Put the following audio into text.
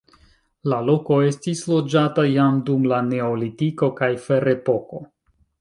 La loko estis loĝata jam dum la neolitiko kaj ferepoko.